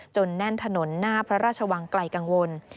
แน่นถนนหน้าพระราชวังไกลกังวล